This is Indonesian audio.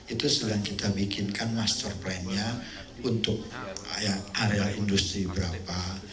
itu sedang kita bikinkan master plan nya untuk area industri berapa